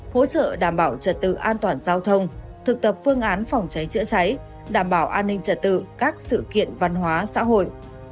hỗ trợ đảm bảo trật tự an toàn giao thông thực tập phương án phòng cháy chữa cháy đảm bảo an ninh trật tự các sự kiện văn hóa xã hội